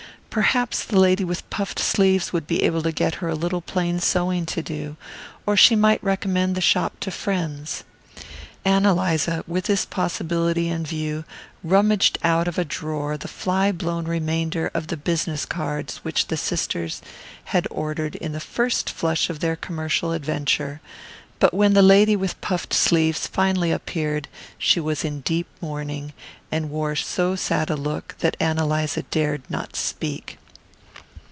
Perhaps the lady with puffed sleeves would be able to get her a little plain sewing to do; or she might recommend the shop to friends. Ann Eliza, with this possibility in view, rummaged out of a drawer the fly blown remainder of the business cards which the sisters had ordered in the first flush of their commercial adventure; but when the lady with puffed sleeves finally appeared she was in deep mourning, and wore so sad a look that Ann Eliza dared not speak.